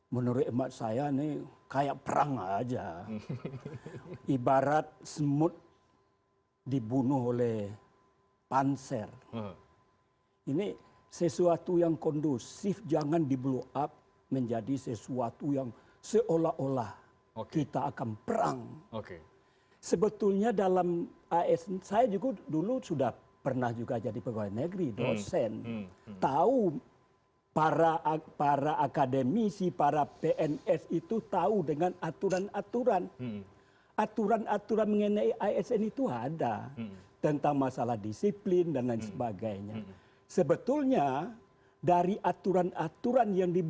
menurut emak saya ini kayak perang saja ibarat semut dibunuh oleh panser ini sesuatu yang kondusif jangan di blow up menjadi sesuatu yang seolah olah kita akan perang